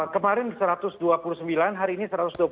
kemarin satu ratus dua puluh sembilan hari ini satu ratus dua puluh